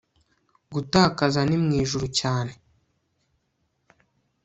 Gutakaza ni mwijuru cyane